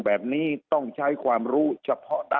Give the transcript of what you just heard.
แบบนี้ต้องใช้ความรู้เฉพาะด้านถึงจะวิเคราะห์ได้